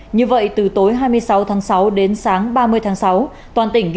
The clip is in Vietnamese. như vậy từ tối hai mươi sáu tháng sáu đến sáng ba mươi tháng sáu